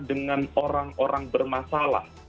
dengan orang orang bermasalah